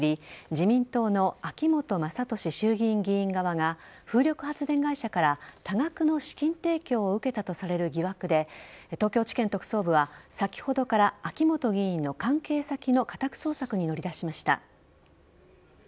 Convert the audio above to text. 自民党の秋本真利衆議院議員側が風力発電会社から多額の資金提供を受けたとされる疑惑で東京地検特捜部は先ほどから秋本議員の関係先の家宅捜索に乗り出しました。